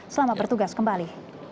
selamat bertugas kembali